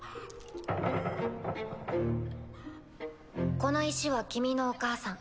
この石は君のお母さん。